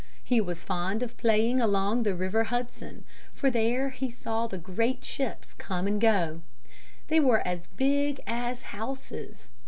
He was fond of playing along the River Hudson, for he there saw the great ships come and go. They were as big as houses.